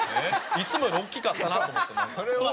いつもより大きかったなと思って。